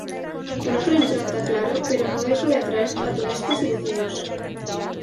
Con otra impronta claro, pero no deja de atraer a turistas y vecinos.